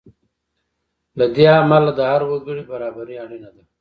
له دې امله د هر وګړي برابري اړینه ده.